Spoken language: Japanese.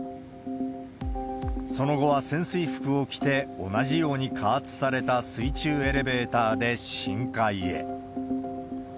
その後は潜水服を着て、同じように加圧された水中エレベーターで深海へ。